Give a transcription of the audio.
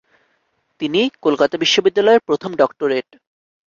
তিনি কলকাতা বিশ্ববিদ্যালয়ের প্রথম ডক্টরেট।